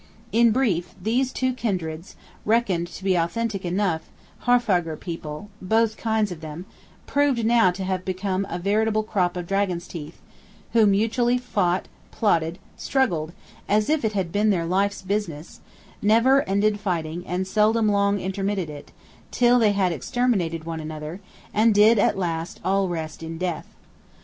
In brief, these two kindreds (reckoned to be authentic enough Haarfagr people, both kinds of them) proved now to have become a veritable crop of dragon's teeth; who mutually fought, plotted, struggled, as if it had been their life's business; never ended fighting and seldom long intermitted it, till they had exterminated one another, and did at last all rest in death.